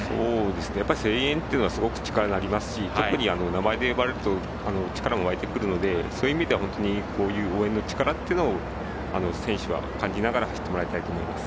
やはり、声援っていうのは力になりますし特に名前で呼ばれると力も湧いてくるのでそういう意味では応援の力っていうのを選手は感じながら走ってもらいたいと思います。